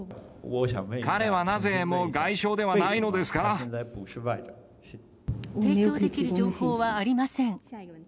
彼はなぜもう外相ではないの提供できる情報はありません。